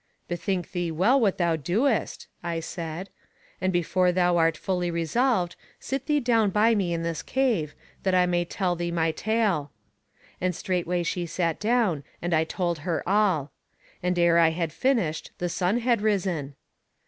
Bethink thee well what thou doest, I said; and before thou art fully resolved, sit thee down by me in this cave, that I may tell thee my tale. And straightway she sat down, and I told her all. And ere I had finished the sun had risen.